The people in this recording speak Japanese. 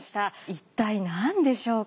一体何でしょうか。